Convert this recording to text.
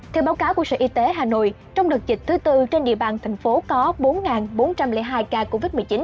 theo báo cáo của sở y tế hà nội trong đợt dịch thứ tư trên địa bàn thành phố có bốn bốn trăm linh hai ca covid một mươi chín